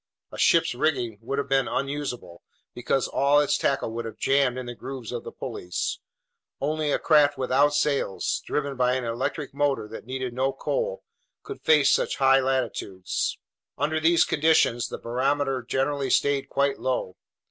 A ship's rigging would have been unusable, because all its tackle would have jammed in the grooves of the pulleys. Only a craft without sails, driven by an electric motor that needed no coal, could face such high latitudes. Under these conditions the barometer generally stayed quite low.